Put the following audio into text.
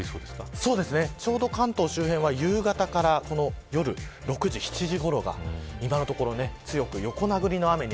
関東周辺は夕方から夜６時７時ごろが今のところ強く横殴りの雨に。